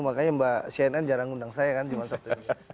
makanya mbak cnn jarang undang saya kan cuma sabtu ini